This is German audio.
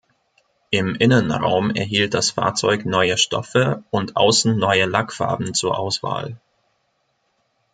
Im Innenraum erhielt das Fahrzeug neue Stoffe und außen neue Lackfarben zur Auswahl.